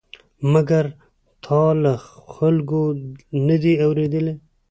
مګر تا له خلکو نه دي اورېدلي؟